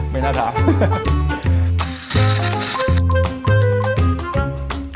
ไม่น่าถาม